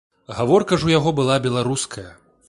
Гаворка ж у яго была беларуская.